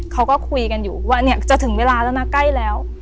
เขาก็คุยกันอยู่ว่าเนี่ยจะถึงเวลาแล้วนะใกล้แล้ว